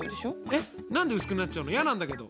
えっ何で薄くなっちゃうの嫌なんだけど。